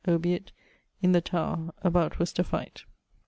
Obiit ..., in the Tower (about Worcester fight).